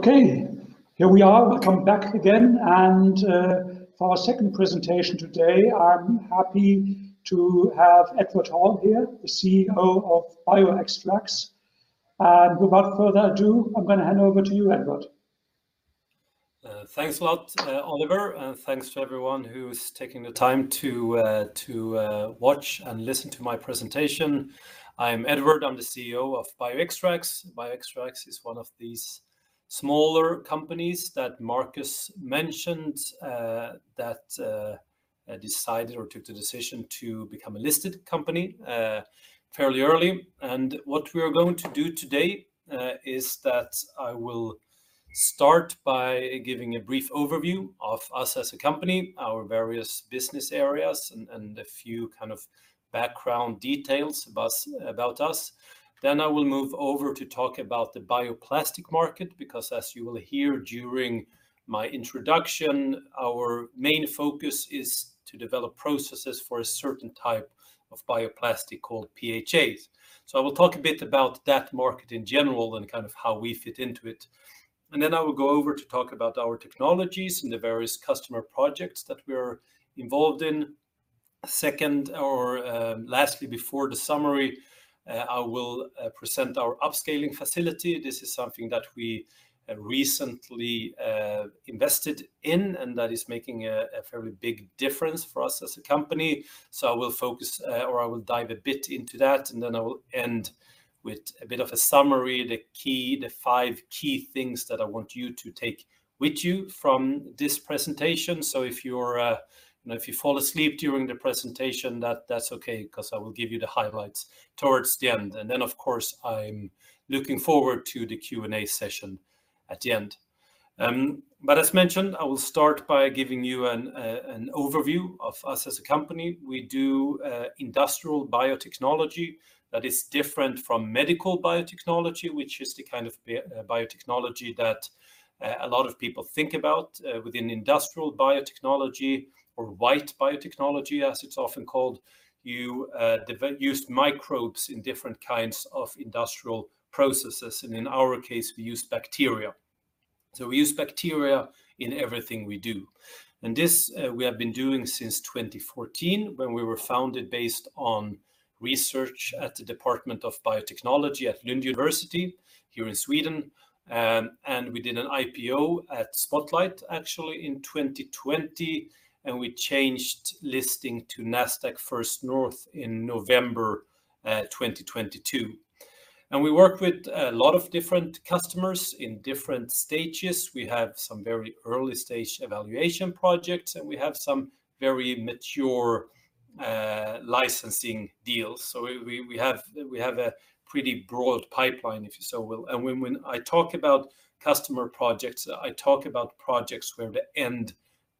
Okay, here we are. Welcome back again, for our second presentation today, I'm happy to have Edvard Hall here, the CEO of Bioextrax. Without further ado, I'm gonna hand over to you, Edvard. Thanks a lot, Oliver, and thanks to everyone who's taking the time to watch and listen to my presentation. I'm Edvard. I'm the CEO of Bioextrax. Bioextrax is one of these smaller companies that Marcus mentioned, that decided or took the decision to become a listed company fairly early. What we are going to do today is that I will start by giving a brief overview of us as a company, our various business areas, and a few kind of background details about us. I will move over to talk about the bioplastic market, because, as you will hear during my introduction, our main focus is to develop processes for a certain type of bioplastic called PHAs. I will talk a bit about that market in general and kind of how we fit into it. Then I will go over to talk about our technologies and the various customer projects that we are involved in. Second, or lastly, before the summary, I will present our upscaling facility. This is something that we recently invested in, and that is making a very big difference for us as a company. So I will focus, or I will dive a bit into that, and then I will end with a bit of a summary, the key, the five key things that I want you to take with you from this presentation. So if you're, you know, if you fall asleep during the presentation, that's okay, 'cause I will give you the highlights towards the end. And then, of course, I'm looking forward to the Q&A session at the end. As mentioned, I will start by giving you an overview of us as a company. We do industrial biotechnology. That is different from medical biotechnology, which is the kind of biotechnology that a lot of people think about. Within industrial biotechnology or white biotechnology, as it's often called, you use microbes in different kinds of industrial processes, and in our case, we use bacteria. So we use bacteria in everything we do, and this we have been doing since 2014, when we were founded based on research at the Department of Biotechnology at Lund University here in Sweden. We did an IPO at Spotlight, actually, in 2020, and we changed listing to Nasdaq First North in November 2022. We work with a lot of different customers in different stages. We have some very early-stage evaluation projects, and we have some very mature, licensing deals. We have a pretty broad pipeline, if you so will. When I talk about customer projects, I talk about projects where the end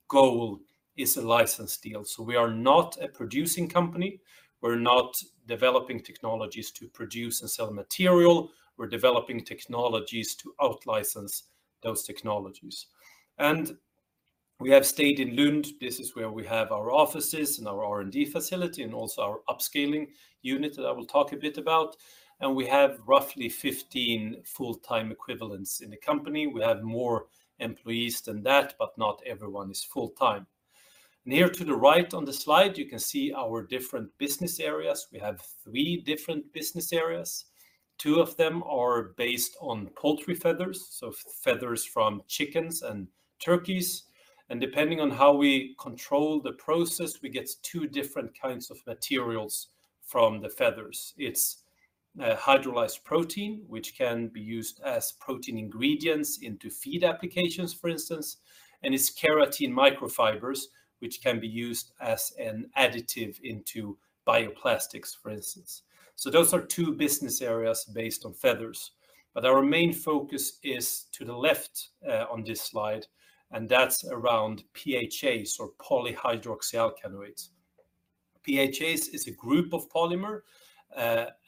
goal is a license deal. We are not a producing company. We're not developing technologies to produce and sell material. We're developing technologies to out-license those technologies. We have stayed in Lund. This is where we have our offices and our R&D facility, and also our upscaling unit, that I will talk a bit about. We have roughly 15 full-time equivalents in the company. We have more employees than that, but not everyone is full-time. Here to the right on the slide, you can see our different business areas. We have three different business areas. Two of them are based on poultry feathers, so feathers from chickens and turkeys, and depending on how we control the process, we get two different kinds of materials from the feathers. It's a hydrolyzed protein, which can be used as protein ingredients into feed applications, for instance, and it's keratin microfibers, which can be used as an additive into bioplastics, for instance. So those are two business areas based on feathers, but our main focus is to the left, on this slide, and that's around PHAs or polyhydroxyalkanoates. PHAs is a group of polymer,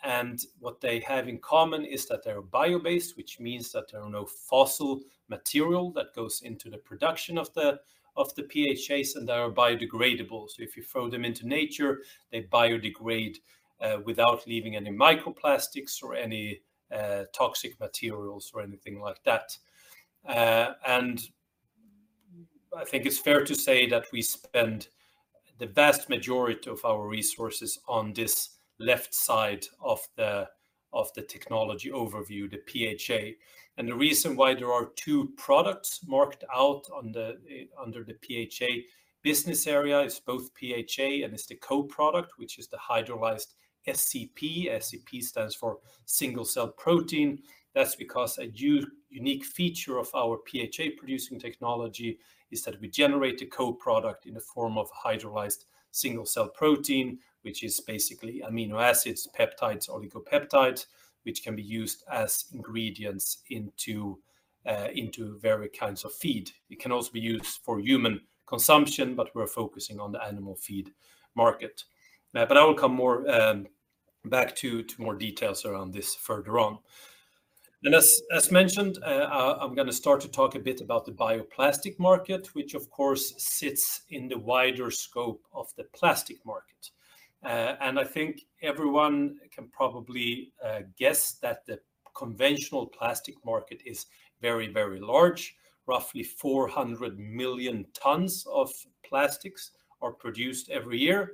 and what they have in common is that they're bio-based, which means that there are no fossil material that goes into the production of the PHAs, and they are biodegradable. If you throw them into nature, they biodegrade without leaving any microplastics or any toxic materials or anything like that. I think it's fair to say that we spend the vast majority of our resources on this left side of the technology overview, the PHA. The reason why there are two products marked out under the PHA business area is both PHA and its co-product, which is the hydrolyzed SCP. SCP stands for single-cell protein. That's because a unique feature of our PHA-producing technology is that we generate the co-product in the form of hydrolyzed single-cell protein, which is basically amino acids, peptides, oligopeptides, which can be used as ingredients into various kinds of feed. It can also be used for human consumption, but we're focusing on the animal feed market. I will come more back to more details around this further on. As mentioned, I'm gonna start to talk a bit about the bioplastic market, which of course sits in the wider scope of the plastic market. I think everyone can probably guess that the conventional plastic market is very, very large. Roughly 400 million tons of plastics are produced every year.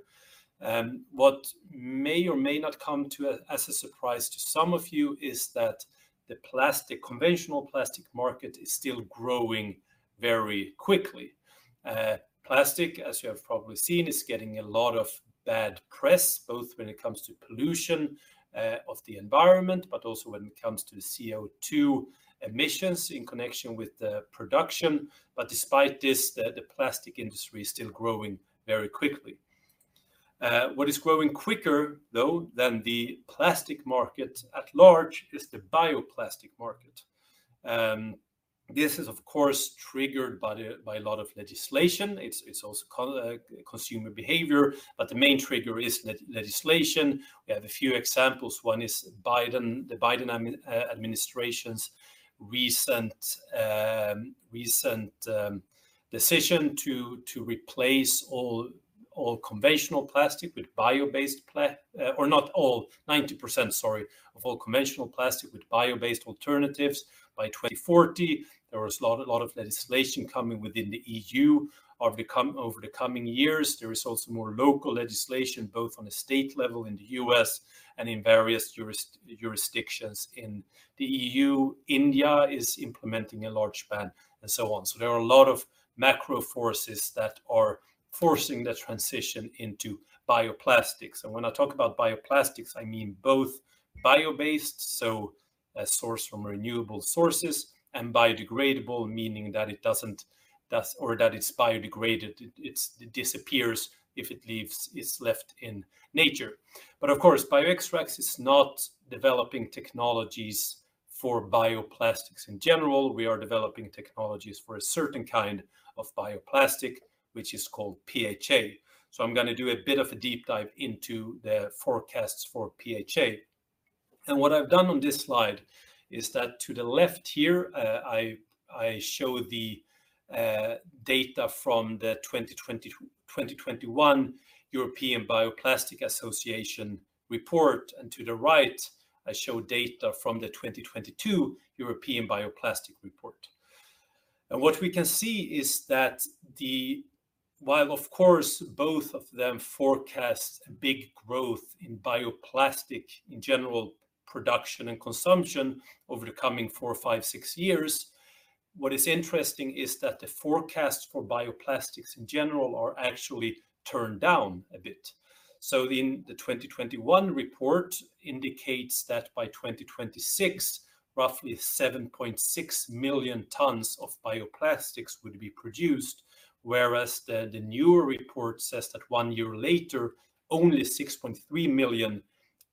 What may or may not come as a surprise to some of you is that the conventional plastic market is still growing very quickly. Plastic, as you have probably seen, is getting a lot of bad press, both when it comes to pollution of the environment, but also when it comes to CO2 emissions in connection with the production. Despite this, the plastic industry is still growing very quickly. What is growing quicker, though, than the plastic market at large, is the bioplastic market. This is, of course, triggered by a lot of legislation. It's also consumer behavior, but the main trigger is legislation. We have a few examples. One is the Biden administration's recent decision to replace 90% of all conventional plastic with bio-based alternatives by 2040. There is a lot of legislation coming within the EU over the coming years. There is also more local legislation, both on a state level in the U.S. and in various jurisdictions in the EU. India is implementing a large ban, and so on. So there are a lot of macro forces that are forcing the transition into bioplastics. And when I talk about bioplastics, I mean both bio-based, so a source from renewable sources, and biodegradable, meaning that it's biodegraded, it disappears if it's left in nature. But of course, Bioextrax is not developing technologies for bioplastics in general. We are developing technologies for a certain kind of bioplastic, which is called PHA. So I'm gonna do a bit of a deep dive into the forecasts for PHA. And what I've done on this slide is that to the left here, I show the data from the 2021 European Bioplastic Association report, and to the right, I show data from the 2022 European Bioplastic report. What we can see is that while, of course, both of them forecast a big growth in bioplastic, in general, production and consumption over the coming four, five, six years, what is interesting is that the forecast for bioplastics, in general, are actually turned down a bit. So in the 2021 report indicates that by 2026, roughly 7.6 million tons of bioplastics would be produced, whereas the newer report says that one year later, only 6.3 million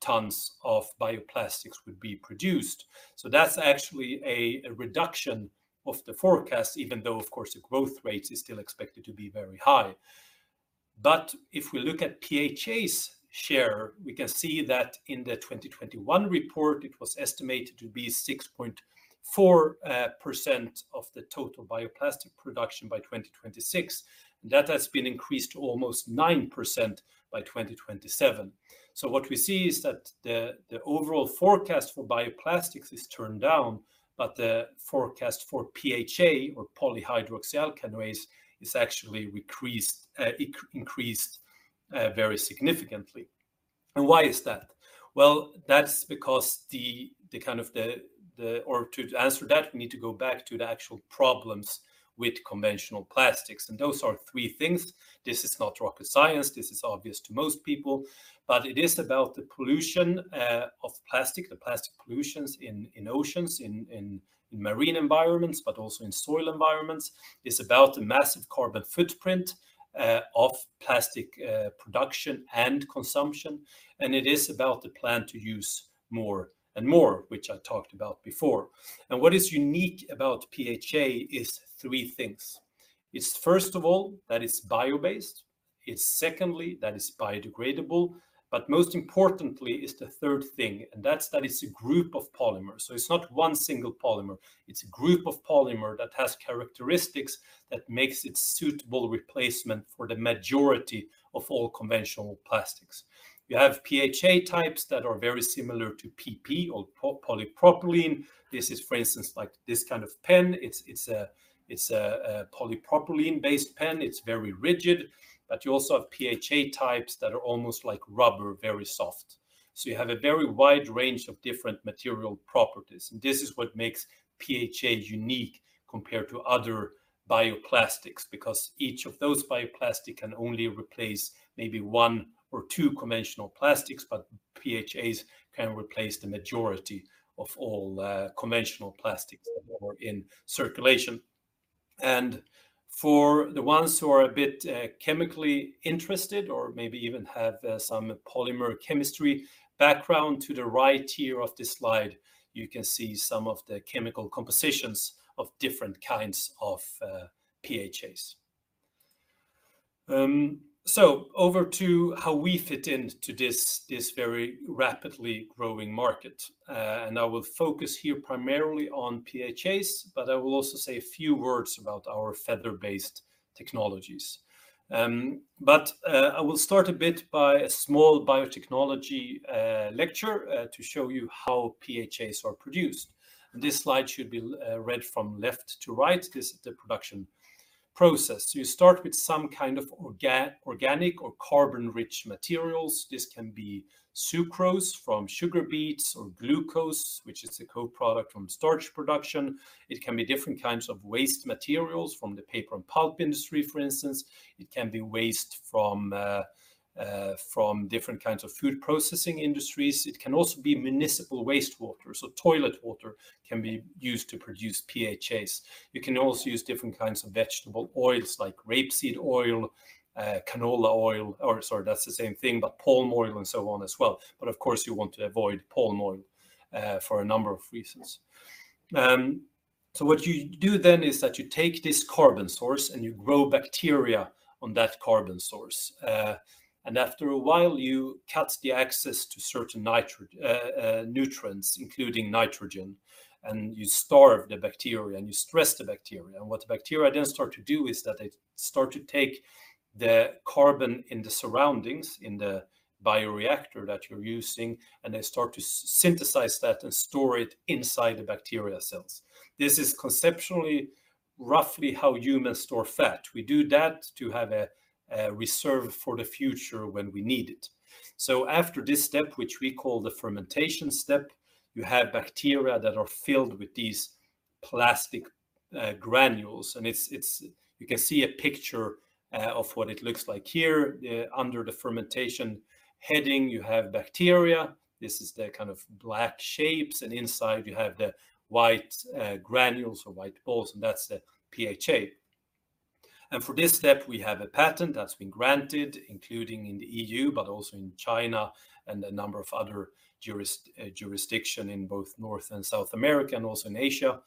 tons of bioplastics would be produced. So that's actually a reduction of the forecast, even though, of course, the growth rate is still expected to be very high. But if we look at PHAs share, we can see that in the 2021 report, it was estimated to be 6.4% of the total bioplastic production by 2026. That has been increased to almost 9% by 2027. So what we see is that the overall forecast for bioplastics is turned down, but the forecast for PHA or polyhydroxyalkanoates is actually increased very significantly. And why is that? Well, that's because... Or to answer that, we need to go back to the actual problems with conventional plastics, and those are three things. This is not rocket science. This is obvious to most people. But it is about the pollution of plastic, the plastic pollutions in marine environments, but also in soil environments. It's about the massive carbon footprint of plastic production and consumption, and it is about the plan to use more and more, which I talked about before. What is unique about PHA is three things: It's first of all, that it's bio-based, it's secondly, that it's biodegradable, but most importantly, is the third thing, and that's, that it's a group of polymers. So it's not one single polymer. It's a group of polymers that has characteristics that makes it suitable replacement for the majority of all conventional plastics. You have PHA types that are very similar to PP or polypropylene. This is, for instance, like this kind of pen. It's, it's a, it's a, a polypropylene-based pen. It's very rigid, but you also have PHA types that are almost like rubber, very soft. So you have a very wide range of different material properties, and this is what makes PHA unique compared to other bioplastics, because each of those bioplastics can only replace maybe one or two conventional plastics, but PHAs can replace the majority of all conventional plastics that are in circulation. And for the ones who are a bit chemically interested or maybe even have some polymer chemistry background, to the right here of this slide, you can see some of the chemical compositions of different kinds of PHAs. So over to how we fit in to this very rapidly growing market. And I will focus here primarily on PHAs, but I will also say a few words about our feather-based technologies. But I will start a bit by a small biotechnology lecture to show you how PHAs are produced. This slide should be read from left to right. This is the production process. You start with some kind of organic or carbon-rich materials. This can be sucrose from sugar beets or glucose, which is a co-product from starch production. It can be different kinds of waste materials from the paper and pulp industry, for instance. It can be waste from different kinds of food processing industries. It can also be municipal wastewater, so toilet water can be used to produce PHAs. You can also use different kinds of vegetable oils, like rapeseed oil, canola oil, or sorry, that's the same thing, but palm oil and so on as well. But of course, you want to avoid palm oil for a number of reasons. What you do then is that you take this carbon source, and you grow bacteria on that carbon source. After a while, you cut the access to certain nutrients, including nitrogen, and you starve the bacteria, and you stress the bacteria. What the bacteria then start to do is that they start to take the carbon in the surroundings, in the bioreactor that you're using, and they start to synthesize that and store it inside the bacteria cells. This is conceptually, roughly how humans store fat. We do that to have a reserve for the future when we need it. After this step, which we call the fermentation step, you have bacteria that are filled with these plastic granules, and it's, it's... You can see a picture of what it looks like here. Under the fermentation heading, you have bacteria. This is the kind of black shapes, and inside you have the white granules or white balls, and that's the PHA. And for this step, we have a patent that's been granted, including in the EU, but also in China and a number of other jurisdictions in both North and South America, and also in Asia.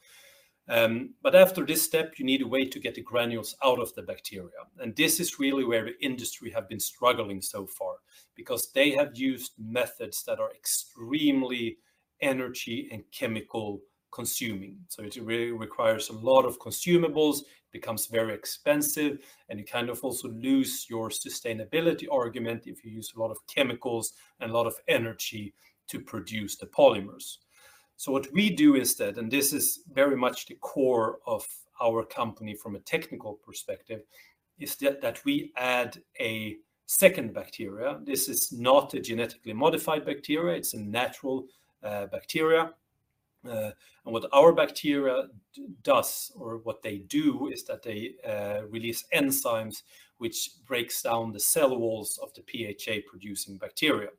But after this step, you need a way to get the granules out of the bacteria, and this is really where the industry have been struggling so far because they have used methods that are extremely energy and chemical-consuming. So it really requires a lot of consumables, becomes very expensive, and you kind of also lose your sustainability argument if you use a lot of chemicals and a lot of energy to produce the polymers. What we do instead, and this is very much the core of our company from a technical perspective, is that we add a second bacteria. This is not a genetically modified bacteria; it's a natural bacteria. What our bacteria does, or what they do, is that they release enzymes, which break down the cell walls of the PHA-producing bacteria.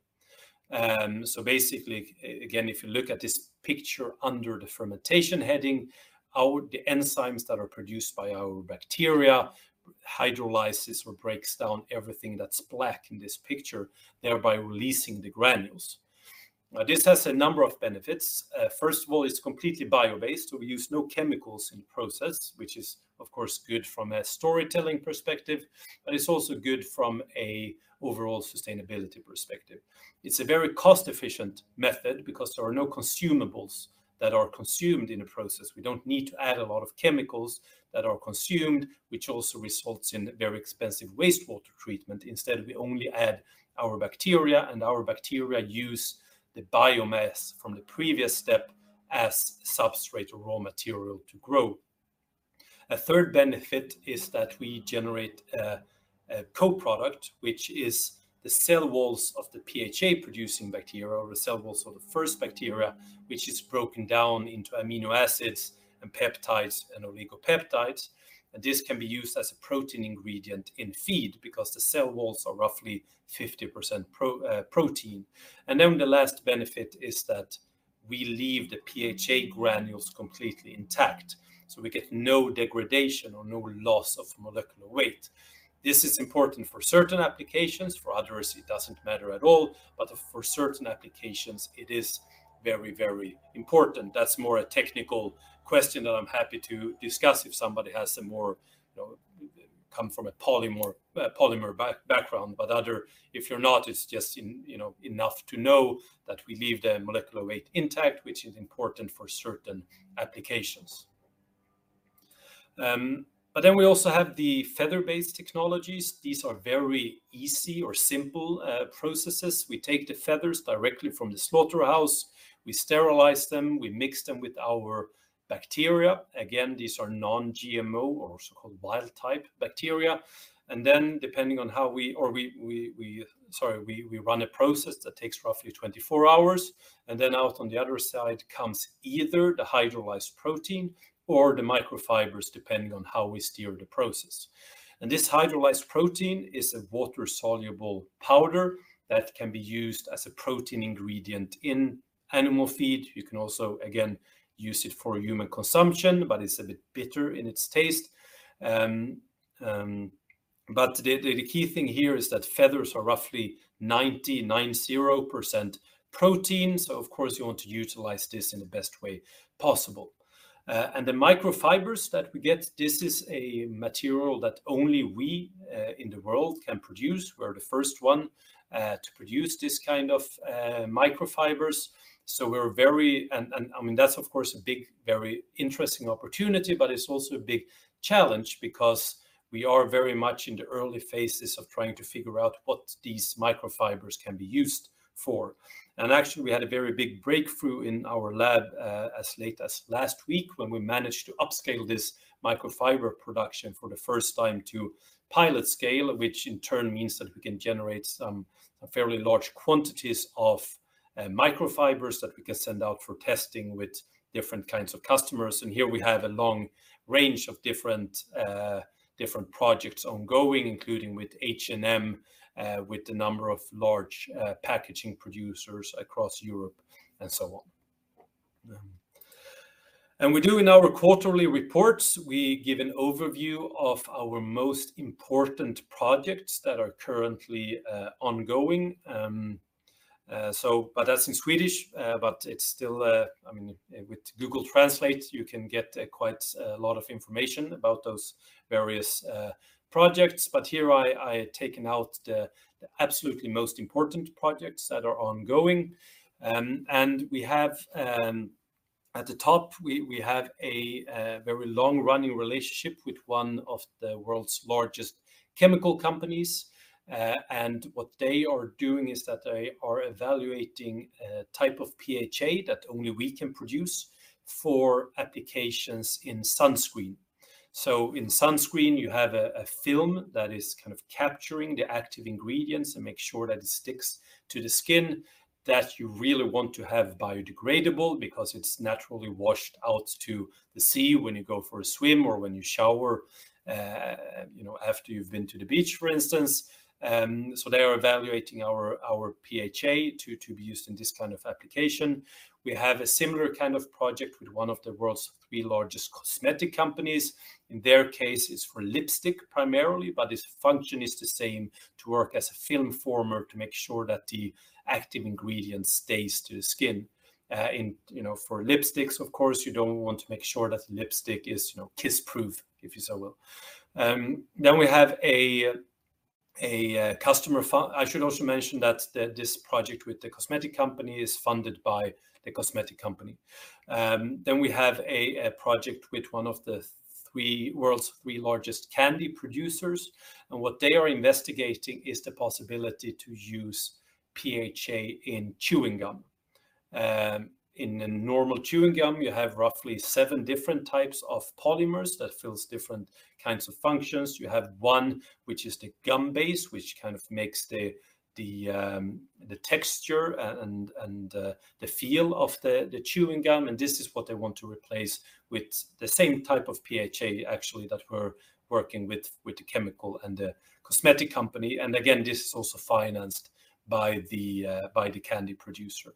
Basically, again, if you look at this picture under the fermentation heading, the enzymes that are produced by our bacteria hydrolyze, or break down, everything that's black in this picture, thereby releasing the granules. This has a number of benefits. First of all, it's completely bio-based, so we use no chemicals in the process, which is, of course, good from a storytelling perspective, but it's also good from an overall sustainability perspective. It's a very cost-efficient method because there are no consumables that are consumed in the process. We don't need to add a lot of chemicals that are consumed, which also results in very expensive wastewater treatment. Instead, we only add our bacteria, and our bacteria use the biomass from the previous step as substrate or raw material to grow. A third benefit is that we generate a co-product, which is the cell walls of the PHA-producing bacteria, or the cell walls of the first bacteria, which is broken down into amino acids and peptides and oligopeptides. This can be used as a protein ingredient in feed because the cell walls are roughly 50% protein. Then the last benefit is that we leave the PHA granules completely intact, so we get no degradation or no loss of molecular weight. This is important for certain applications. For others, it doesn't matter at all, but for certain applications, it is very, very important. That's more a technical question that I'm happy to discuss if somebody has some more, you know, come from a polymer background. But other, if you're not, it's just you know, enough to know that we leave the molecular weight intact, which is important for certain applications. But then we also have the feather-based technologies. These are very easy or simple processes. We take the feathers directly from the slaughterhouse, we sterilize them, we mix them with our bacteria. Again, these are non-GMO or so-called wild type bacteria. And then depending on how we... We run a process that takes roughly 24 hours, and then out on the other side comes either the hydrolyzed protein or the microfibers, depending on how we steer the process. And this hydrolyzed protein is a water-soluble powder that can be used as a protein ingredient in animal feed. You can also, again, use it for human consumption, but it's a bit bitter in its taste. But the key thing here is that feathers are roughly 99.0% protein, so of course you want to utilize this in the best way possible. And the microfibers that we get, this is a material that only we in the world can produce. We're the first one to produce this kind of microfibers. We're very, and I mean, that's of course a big, very interesting opportunity, but it's also a big challenge because we are very much in the early phases of trying to figure out what these microfibers can be used for. Actually, we had a very big breakthrough in our lab as late as last week, when we managed to upscale this microfiber production for the first time to pilot scale, which in turn means that we can generate some fairly large quantities of microfibers that we can send out for testing with different kinds of customers. Here we have a long range of different, different projects ongoing, including with H&M, with a number of large packaging producers across Europe, and so on. And we do in our quarterly reports, we give an overview of our most important projects that are currently ongoing. So but that's in Swedish. But it's still... I mean, with Google Translate, you can get quite a lot of information about those various projects. But here I, I taken out the, the absolutely most important projects that are ongoing. And we have, at the top, we, we have a very long-running relationship with one of the world's largest chemical companies. And what they are doing is that they are evaluating a type of PHA that only we can produce for applications in sunscreen. So in sunscreen, you have a film that is kind of capturing the active ingredients and make sure that it sticks to the skin, that you really want to have biodegradable, because it's naturally washed out to the sea when you go for a swim or when you shower, you know, after you've been to the beach, for instance. So they are evaluating our PHA to be used in this kind of application. We have a similar kind of project with one of the world's three largest cosmetic companies. In their case, it's for lipstick primarily, but its function is the same, to work as a film former to make sure that the active ingredient stays to the skin. And, you know, for lipsticks, of course, you don't want to make sure that the lipstick is, you know, kiss-proof, if you so will. I should also mention that this project with the cosmetic company is funded by the cosmetic company. We have a project with one of the world's three largest candy producers, and what they are investigating is the possibility to use PHA in chewing gum. In a normal chewing gum, you have roughly seven different types of polymers that fill different kinds of functions. You have one, which is the gum base, which kind of makes the texture and the feel of the chewing gum. This is what they want to replace with the same type of PHA, actually, that we're working with, with the chemical and the cosmetic company. Again, this is also financed by the candy producer.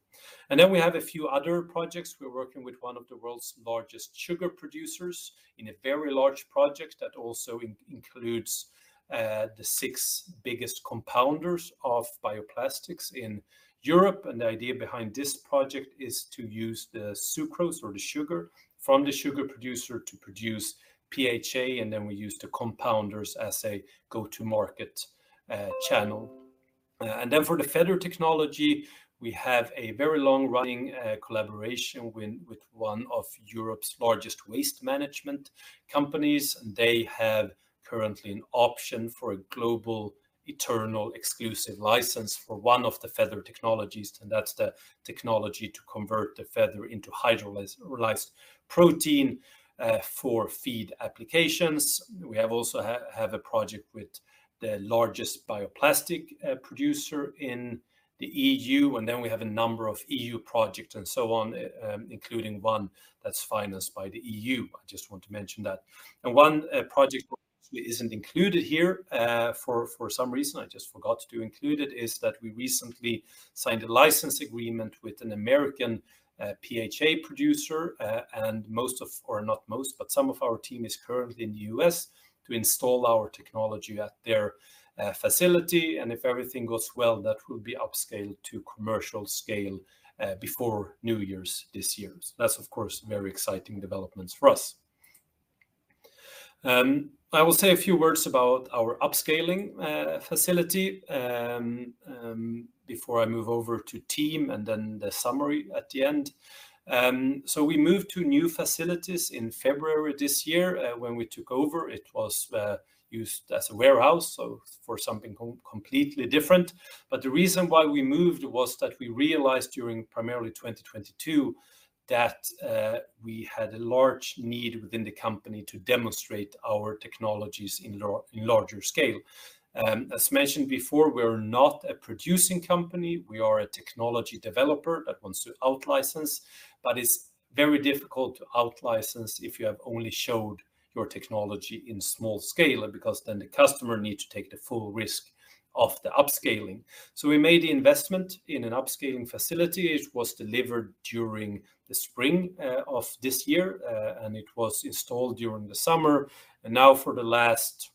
Then we have a few other projects. We're working with one of the world's largest sugar producers in a very large project that also includes the six biggest compounders of bioplastics in Europe. The idea behind this project is to use the sucrose or the sugar from the sugar producer to produce PHA, and then we use the compounders as a go-to-market channel. For the feather technology, we have a very long-running collaboration with one of Europe's largest waste management companies, and they have currently an option for a global, eternal, exclusive license for one of the feather technologies, and that's the technology to convert the feather into hydrolyzed protein for feed applications. We have also had a project with the largest bioplastic producer in the EU, and then we have a number of EU projects and so on, including one that's financed by the EU. I just want to mention that. One project that isn't included here, for some reason, I just forgot to include it, is that we recently signed a license agreement with an American PHA producer, and some of our team is currently in the US to install our technology at their facility. If everything goes well, that will be upscaled to commercial scale before New Year's this year. That's, of course, very exciting developments for us. I will say a few words about our upscaling facility before I move over to team and then the summary at the end. We moved to new facilities in February this year. When we took over, it was used as a warehouse, for something completely different. The reason why we moved was that we realized during primarily 2022 that we had a large need within the company to demonstrate our technologies in larger scale. As mentioned before, we're not a producing company. We are a technology developer that wants to outlicense, but it's very difficult to outlicense if you have only showed your technology in small scale, because then the customer need to take the full risk of the upscaling. We made the investment in an upscaling facility. It was delivered during the spring of this year, and it was installed during the summer. Now for the last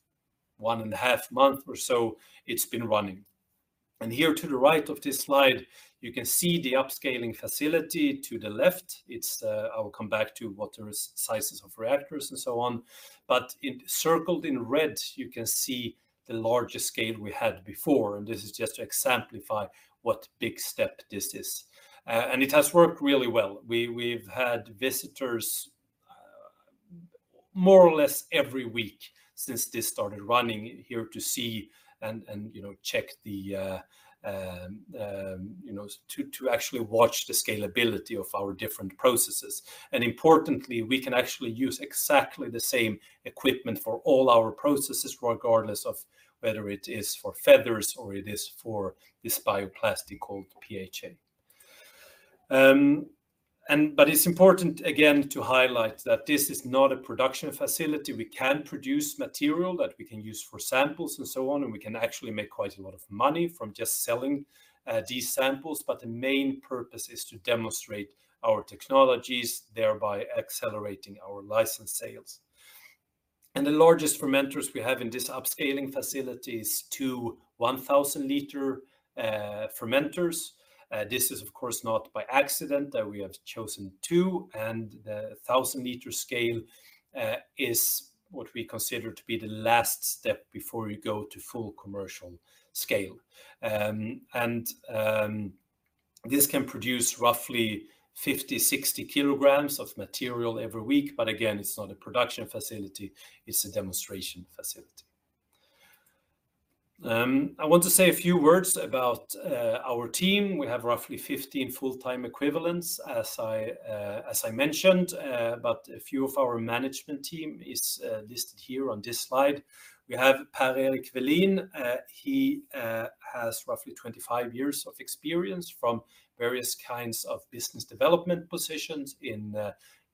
1.5 months or so, it's been running. Here to the right of this slide, you can see the upscaling facility to the left. It's, I will come back to what the sizes of reactors and so on, but it's circled in red, you can see the largest scale we had before, and this is just to exemplify what big step this is. And it has worked really well. We've had visitors more or less every week since this started running, here to see and you know check the you know to actually watch the scalability of our different processes. Importantly, we can actually use exactly the same equipment for all our processes, regardless of whether it is for feathers or it is for this bioplastic called PHA. But it's important again to highlight that this is not a production facility. We can produce material that we can use for samples and so on, and we can actually make quite a lot of money from just selling these samples, but the main purpose is to demonstrate our technologies, thereby accelerating our license sales. The largest fermenters we have in this upscaling facility is two 1,000-liter fermenters. This is, of course, not by accident that we have chosen two, and the 1,000-liter scale is what we consider to be the last step before we go to full commercial scale. And this can produce roughly 50-60 kilograms of material every week. But again, it's not a production facility, it's a demonstration facility. I want to say a few words about our team. We have roughly 15 full-time equivalents, as I mentioned, but a few of our management team is listed here on this slide. We have Per-Erik Velin. He has roughly 25 years of experience from various kinds of business development positions in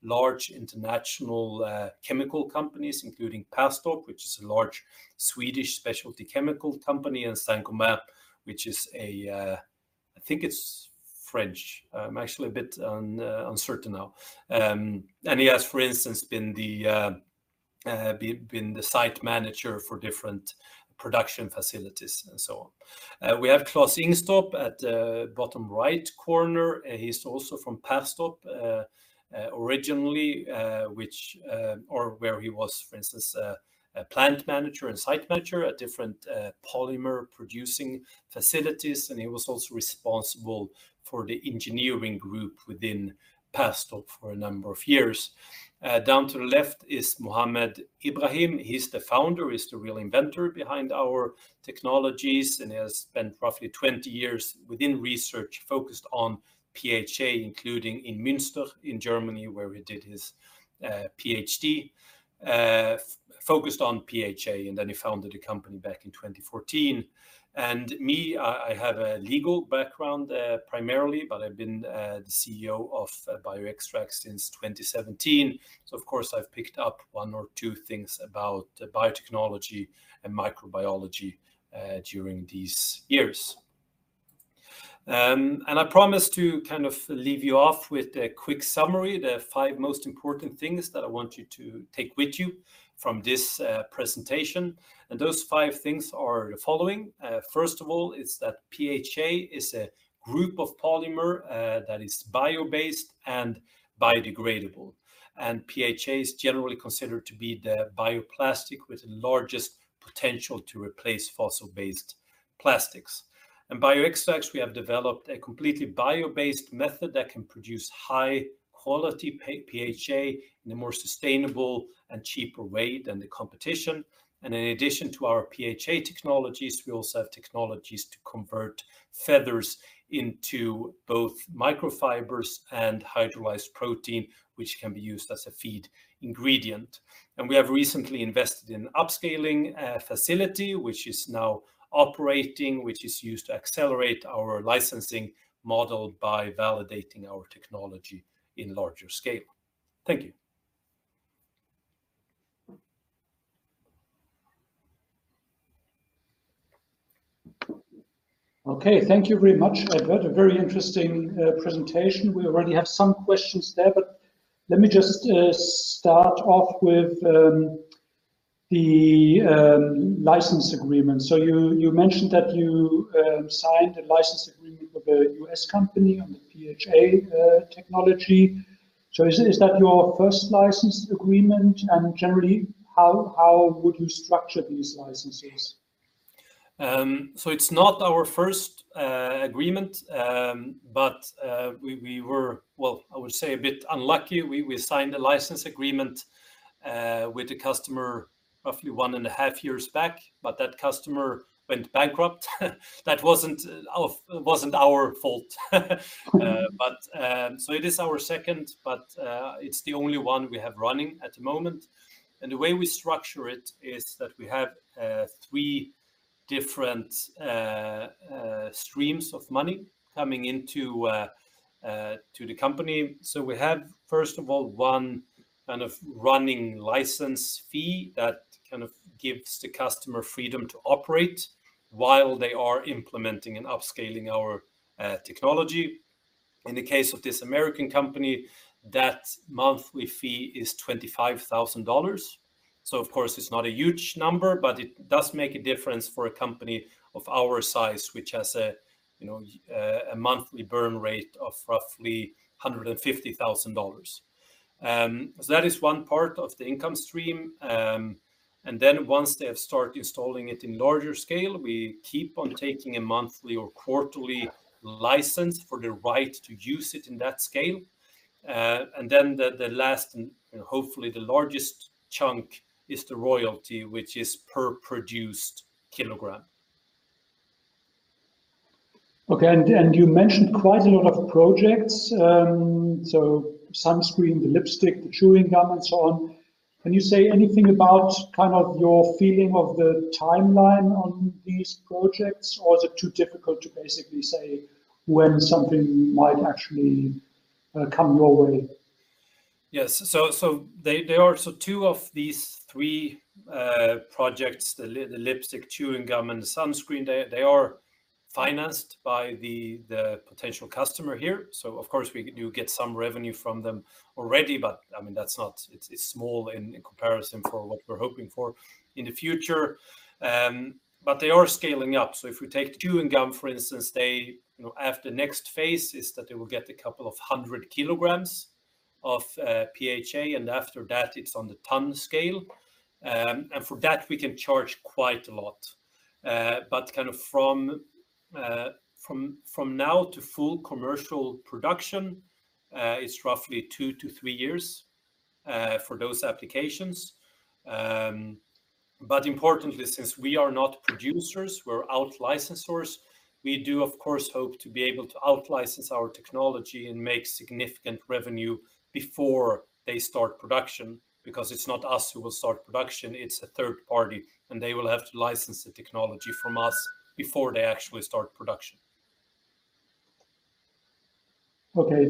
large international chemical companies, including Perstorp, which is a large Swedish specialty chemical company, and Saint-Gobain, which is a... I think it's French. I'm actually a bit uncertain now. And he has, for instance, been the site manager for different production facilities and so on. We have Klas Ingstorp at the bottom right corner. He's also from Perstorp, originally, which, or where he was, for instance, a plant manager and site manager at different, polymer-producing facilities, and he was also responsible for the engineering group within Perstorp for a number of years. Down to the left is Mohamad Ibrahim. He's the founder, he's the real inventor behind our technologies, and he has spent roughly 20 years within research focused on PHA, including in Münster, in Germany, where he did his PhD, focused on PHA, and then he founded a company back in 2014. Me, I have a legal background, primarily, but I've been the CEO of Bioextrax since 2017. Of course, I've picked up one or two things about biotechnology and microbiology during these years. And I promise to kind of leave you off with a quick summary, the five most important things that I want you to take with you from this, presentation. And those five things are the following. First of all, it's that PHA is a group of polymer, that is bio-based and biodegradable, and PHA is generally considered to be the bioplastic with the largest potential to replace fossil-based plastics. In Bioextrax, we have developed a completely bio-based method that can produce high-quality PHA in a more sustainable and cheaper way than the competition. And in addition to our PHA technologies, we also have technologies to convert feathers into both microfibers and hydrolyzed protein, which can be used as a feed ingredient. We have recently invested in upscaling facility, which is now operating, which is used to accelerate our licensing model by validating our technology in larger scale. Thank you. Okay, thank you very much, Edvard. A very interesting, eh, presentation. We already have some questions there, but let me just start off with the license agreement. You mentioned that you signed a license agreement with a US company on the PHA technology. Is that your first license agreement? Generally, how would you structure these licenses? So it's not our first agreement. But we were a bit unlucky. Well, I would say a bit unlucky. We signed a license agreement with the customer roughly 1.5 years back, but that customer went bankrupt. That wasn't our fault. But so it is our second, but it's the only one we have running at the moment. And the way we structure it is that we have three different streams of money coming into the company. So we have, first of all, one kind of running license fee that kind of gives the customer freedom to operate while they are implementing and upscaling our technology. In the case of this American company, that monthly fee is $25,000. So of course, it's not a huge number, but it does make a difference for a company of our size, which has a you know monthly burn rate of roughly $150,000. So that is one part of the income stream. And then once they have started installing it in larger scale, we keep on taking a monthly or quarterly license for the right to use it in that scale. And then the last and hopefully the largest chunk is the royalty, which is per produced kilogram. Okay, you mentioned quite a lot of projects. Sunscreen, the lipstick, the chewing gum, and so on. Can you say anything about kind of your feeling of the timeline on these projects, or is it too difficult to basically say when something might actually come your way? Yes. They-- there are... Two of these three projects, the lipstick, chewing gum, and the sunscreen, they are financed by the potential customer here. Of course, you get some revenue from them already, but, I mean, that's not... It's small in comparison for what we're hoping for in the future. They are scaling up. If we take the chewing gum, for instance, after next phase is that they will get a couple of hundred kilograms of PHA, and after that, it's on the ton scale. For that, we can charge quite a lot. Kind of from now to full commercial production, it's roughly two-three years for those applications. But importantly, since we are not producers, we're our licensors, we do, of course, hope to be able to out-license our technology and make significant revenue before they start production, because it's not us who will start production, it's a third party, and they will have to license the technology from us before they actually start production. Okay.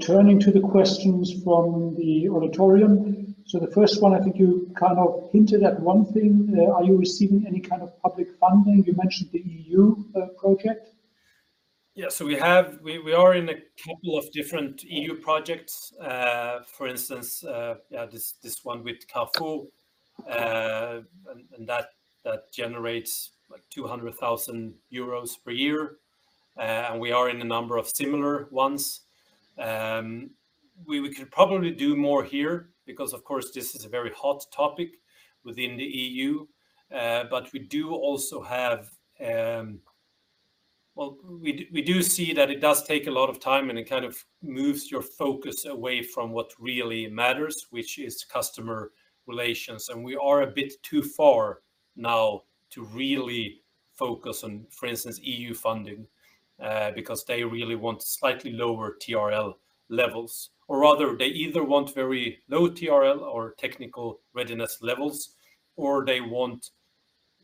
Turning to the questions from the auditorium. So the first one, I think you kind of hinted at one thing. Are you receiving any kind of public funding? You mentioned the EU project. Yeah. So we have. We are in a couple of different EU projects. For instance, this one with Carrefour, and that generates, like, 200,000 euros per year. And we are in a number of similar ones. We could probably do more here because, of course, this is a very hot topic within the EU. But we do also have. Well, we do see that it does take a lot of time, and it kind of moves your focus away from what really matters, which is customer relations. We are a bit too far now to really focus on, for instance, EU funding, because they really want slightly lower TRL levels, or rather, they either want very low TRL or technical readiness levels, or they want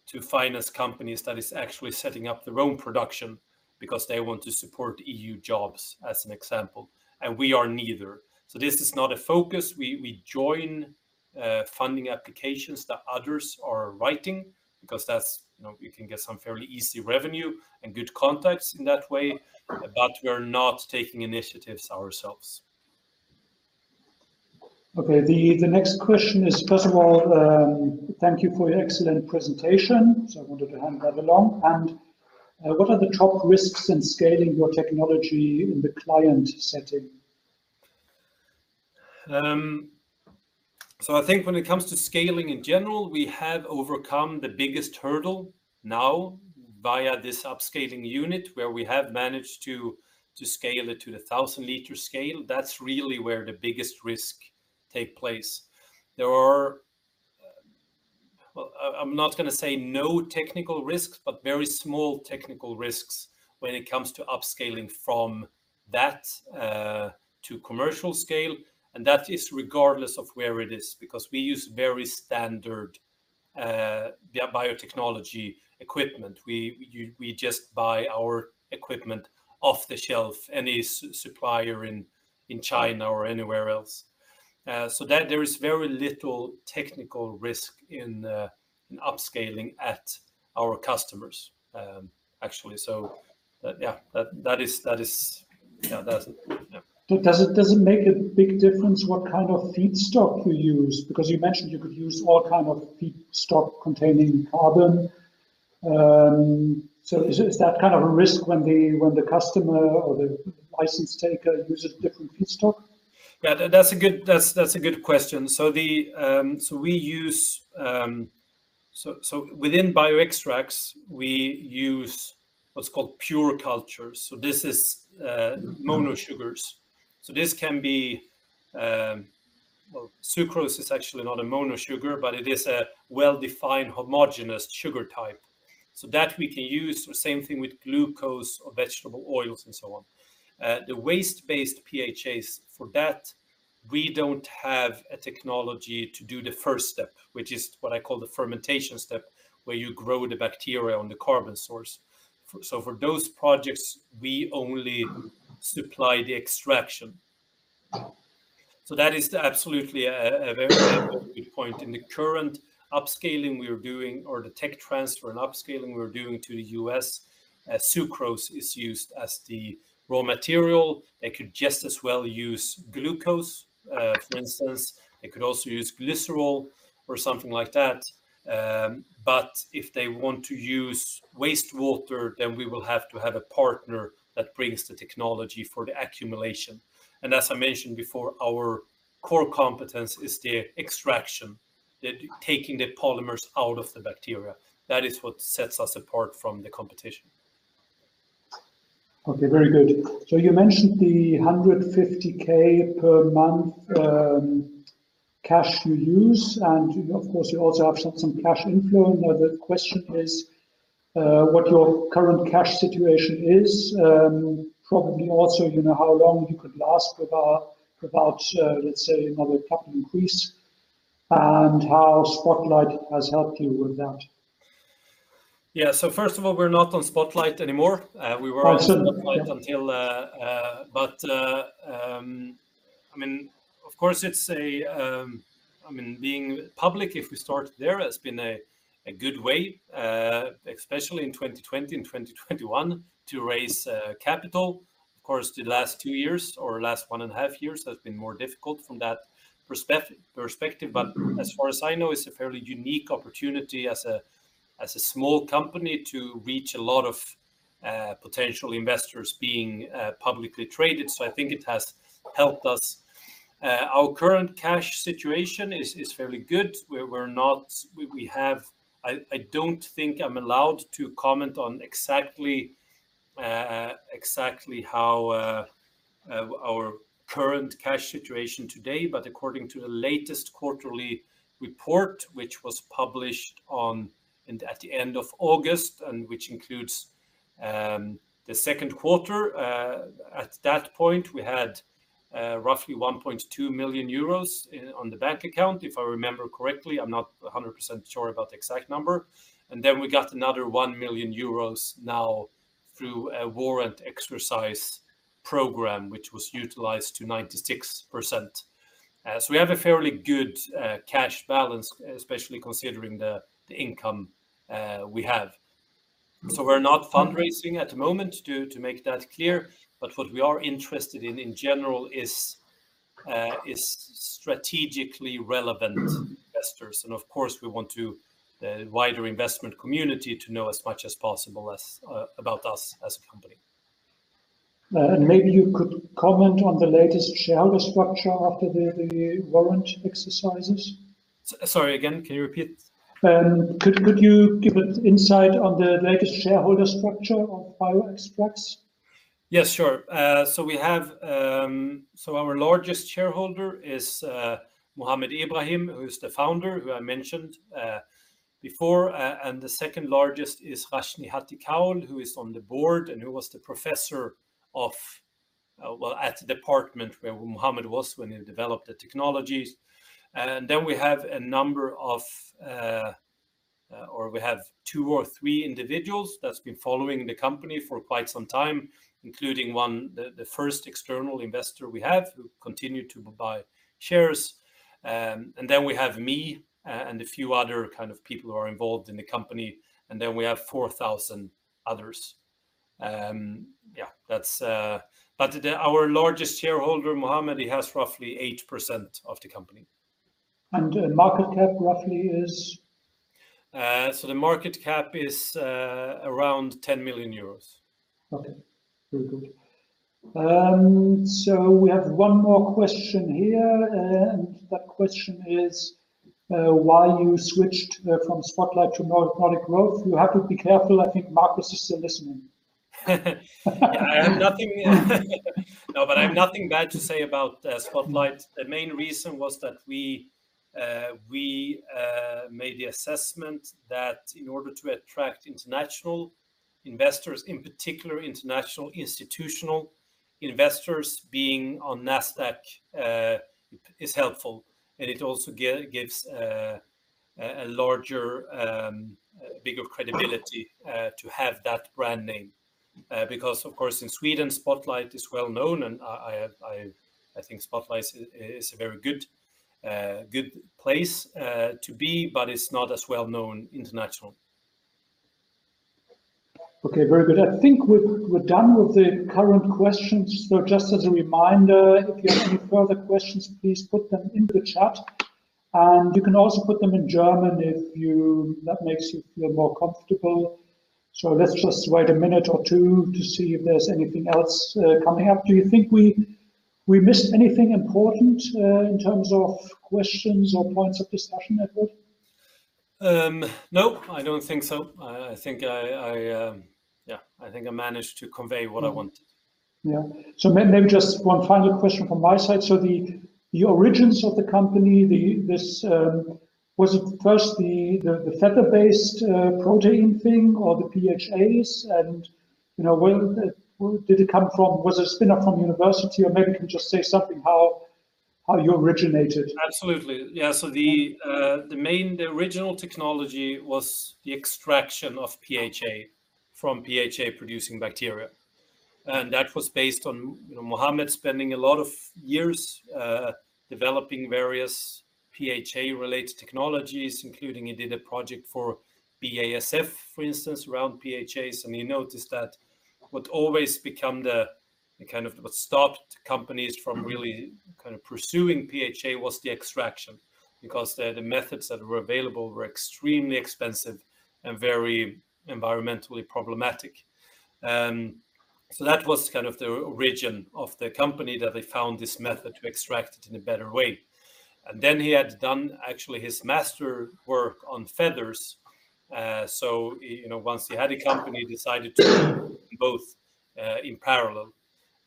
to finance companies that is actually setting up their own production because they want to support EU jobs, as an example. We are neither. So this is not a focus. We join funding applications that others are writing because that's, you know, you can get some fairly easy revenue and good contacts in that way, but we are not taking initiatives ourselves. Okay. The next question is, first of all, thank you for your excellent presentation. So I wanted to hand that along. What are the top risks in scaling your technology in the client setting? So, I think when it comes to scaling in general, we have overcome the biggest hurdle now via this upscaling unit, where we have managed to scale it to the 1,000-liter scale. That's really where the biggest risk take place. There are... Well, I, I'm not gonna say no technical risks, but very small technical risks when it comes to upscaling from that to commercial scale, and that is regardless of where it is, because we use very standard biotechnology equipment. We just buy our equipment off the shelf, any supplier in China or anywhere else. So, that, there is very little technical risk in upscaling at our customers, actually. So, yeah, that is, yeah, that's, yeah. Does it make a big difference what kind of feedstock you use? Because you mentioned you could use all kind of feedstock containing carbon. So, is that kind of a risk when the customer or the license taker uses different feedstock? Yeah, that's a good, that's a good question. We use, within Bioextrax, what's called pure cultures. This is mono sugars. This can be, well, sucrose is actually not a mono sugar, but it is a well-defined, homogenous sugar type, so that we can use. The same thing with glucose or vegetable oils and so on. The waste-based PHAs, for that, we don't have a technology to do the first step, which is what I call the fermentation step, where you grow the bacteria on the carbon source. For those projects, we only supply the extraction. That is absolutely a very good point. In the current upscaling we are doing, or the tech transfer and upscaling we're doing to the U.S., sucrose is used as the raw material. They could just as well use glucose, for instance, they could also use glycerol or something like that. But if they want to use waste water, then we will have to have a partner that brings the technology for the accumulation. As I mentioned before, our core competence is the extraction, the taking the polymers out of the bacteria. That is what sets us apart from the competition. Okay, very good. So you mentioned the 150,000 per month cash you use, and of course, you also have some cash inflow. Now the question is, what your current cash situation is? Probably also, you know, how long you could last without another capital increase, and how Spotlight has helped you with that? Yeah. So first of all, we're not on Spotlight anymore. We were- I see... on Spotlight until, I mean, of course, it's a, I mean, being public, if we start there, has been a good way, especially in 2020 and 2021, to raise capital. Of course, the last two years or last one and a half years has been more difficult from that perspective. As far as I know, it's a fairly unique opportunity as a small company to reach a lot of potential investors being publicly traded. I think it has helped us. Our current cash situation is fairly good. We're not-- we have... I don't think I'm allowed to comment on exactly how our current cash situation today, but according to the latest quarterly report, which was published at the end of August, and which includes the second quarter, at that point, we had roughly 1.2 million euros on the bank account, if I remember correctly. I'm not 100% sure about the exact number. And then we got another 1 million euros now through a warrant exercise program, which was utilized to 96%. So we have a fairly good cash balance, especially considering the income we have. Mm. We're not fundraising at the moment, to make that clear. What we are interested in, in general, is, is strategically relevant- Mm... investors. Of course, we want to, the wider investment community to know as much as possible as, about us as a company. Maybe you could comment on the latest shareholder structure after the warrant exercises? Sorry, again, can you repeat? Could you give an insight on the latest shareholder structure of Bioextrax? Yes, sure. So we have, so our largest shareholder is, Mohamad Ibrahim, who is the founder, who I mentioned, before. And the second largest is Rajni Hatti-Kaul, who is on the board, and who was the professor of, well, at the department where Mohamad was when he developed the technologies. And then we have a number of, or we have two or three individuals that's been following the company for quite some time, including one, the first external investor we have, who continued to buy shares. And then we have me and a few other kind of people who are involved in the company, and then we have 4,000 others. Yeah, that's... But, our largest shareholder, Mohamad, he has roughly 8% of the company. The market cap roughly is? So the market cap is around 10 million euros. Okay, very good. So we have one more question here, and that question is, why you switched from Spotlight to Nordic, Nordic Growth? You have to be careful, I think Marcus is still listening. I have nothing—no, I have nothing bad to say about Spotlight. The main reason was that we made the assessment that in order to attract international investors, in particular, international institutional investors, being on Nasdaq is helpful, and it also gives a larger, a bigger credibility. Mm... to have that brand name. Because of course, in Sweden, Spotlight is well known, and I think Spotlight is a very good place to be, but it's not as well known international. Okay, very good. I think we're done with the current questions. So just as a reminder, if you have any further questions, please put them in the chat. And you can also put them in German if that makes you feel more comfortable. So let's just wait a minute or two to see if there's anything else coming up. Do you think we missed anything important in terms of questions or points of discussion, Edvard? Nope, I don't think so. I think yeah, I think I managed to convey what I wanted. Yeah. So maybe just one final question from my side. So the origins of the company, this, was it first the feather-based protein thing or the PHAs? And, you know, where did it come from? Was it a spin-off from university, or maybe you can just say something, how you originated? Absolutely. Yeah, so the main, the original technology was the extraction of PHA from PHA producing bacteria. And that was based on, you know, Mohamad spending a lot of years developing various PHA-related technologies, including he did a project for BASF, for instance, around PHAs. And he noticed that what always become the, the kind of what stopped companies from really- Mm-hmm... kind of pursuing PHA was the extraction. Because the methods that were available were extremely expensive and very environmentally problematic. So that was kind of the origin of the company, that they found this method to extract it in a better way. He had done actually his master work on feathers. He, you know, once he had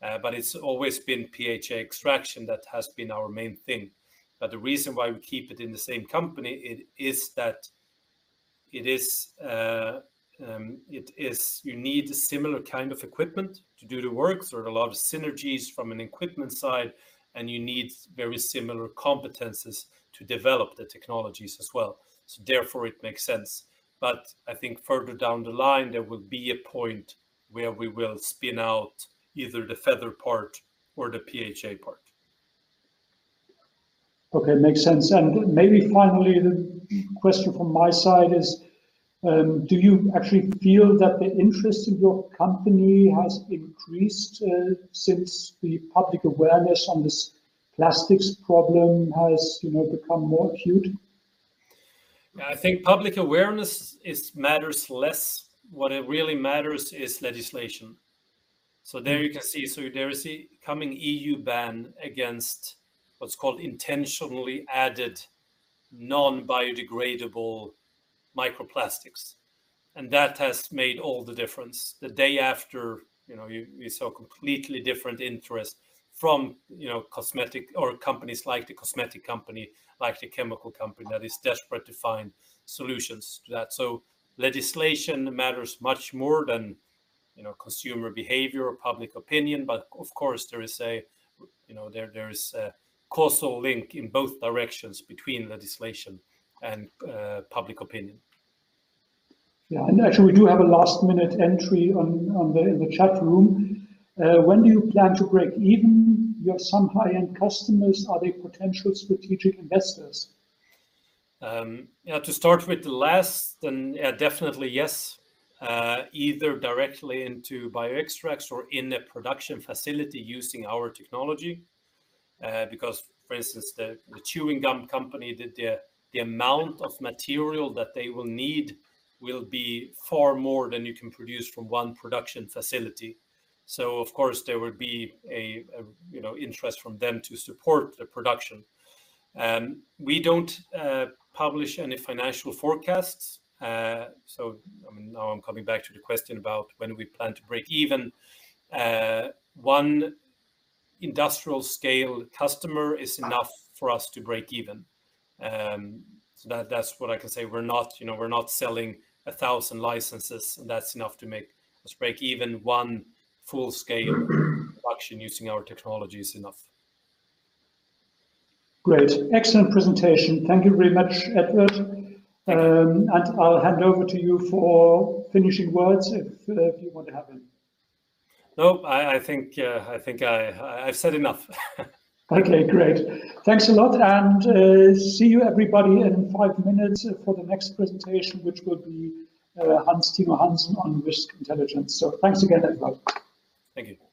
a company, he decided to do both, in parallel. It's always been PHA extraction, that has been our main thing. The reason why we keep it in the same company is that it is, you need a similar kind of equipment to do the work. There are a lot of synergies from an equipment side, and you need very similar competencies to develop the technologies as well, so therefore it makes sense. But I think further down the line, there will be a point where we will spin out either the feather part or the PHA part. Okay, makes sense. Maybe finally, the question from my side is, do you actually feel that the interest in your company has increased, since the public awareness on this plastics problem has, you know, become more acute? Yeah, I think public awareness matters less. What it really matters is legislation. So there you can see, so there is a coming EU ban against what's called intentionally added non-biodegradable microplastics, and that has made all the difference. The day after, you know, you, you saw completely different interest from, you know, cosmetic or companies like the cosmetic company, like the chemical company, that is desperate to find solutions to that. So legislation matters much more than, you know, consumer behavior or public opinion. But of course, there is a, you know, there, there is a causal link in both directions between legislation and public opinion. Yeah, and actually we do have a last-minute entry in the chat room. When do you plan to break even? You have some high-end customers. Are they potential strategic investors? Yeah, to start with the last, then, definitely yes, either directly into Bioextrax or in a production facility using our technology. Because for instance, the chewing gum company, the amount of material that they will need will be far more than you can produce from one production facility. So of course, there will be a you know interest from them to support the production. We don't publish any financial forecasts. So, now I'm coming back to the question about when do we plan to break even. One industrial scale customer is enough for us to break even. So that, that's what I can say. We're not, you know, we're not selling 1,000 licenses, and that's enough to make us break even. One full scale production using our technology is enough. Great. Excellent presentation. Thank you very much, Edvard. I'll hand over to you for finishing words, if you want to have any. Nope, I think I've said enough. Okay, great. Thanks a lot, and see you, everybody, in five minutes for the next presentation, which will be Hans Tino Hansen on Risk Intelligence. So thanks again, Edvard. Thank you.